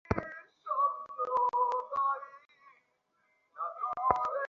একটা বিড়াল কি তার বসকে ভালো-মন্দ জিজ্ঞেস করতে পারবে না?